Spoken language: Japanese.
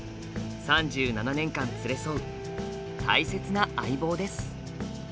３７年間連れ添う大切な相棒です。